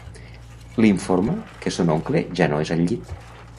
L'informa que son oncle ja no és al llit.